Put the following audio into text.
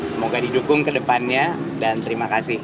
semoga didukung kedepannya dan terima kasih